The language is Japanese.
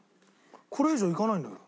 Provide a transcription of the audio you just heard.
これ以上いかないんだけど。